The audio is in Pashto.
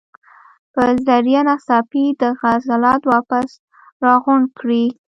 پۀ ذريعه ناڅاپي دغه عضلات واپس راغونډ کړي